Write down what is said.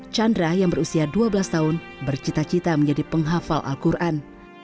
chandra yang berusia dua belas tahun bercita cita menjadi penghafal al quran